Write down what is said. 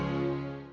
om malekat baik itu